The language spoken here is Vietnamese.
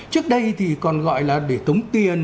trước đây thì còn gọi là để tống tiền